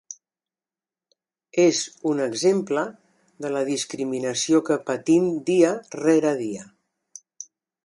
És un exemple de la discriminació que patim dia rere dia.